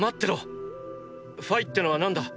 ファイってのは何だ？